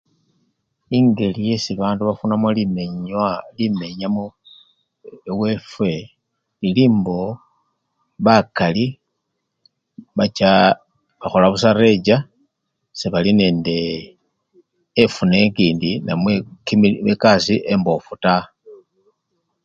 Ingeli esii bandu bafunamo limenywa imenyamo ewefwe aa! elimbo bakali bachaaa bakhola busa recha sebali nendeee efuna ekindi namwe kimi! ekasii embofu taa.